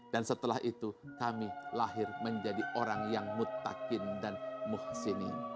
dan setelah itu kami lahir menjadi orang yang mutakin dan muhsinin